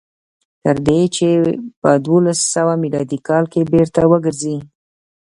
تر دې چې په دولس سوه میلادي کال کې بېرته وګرځي.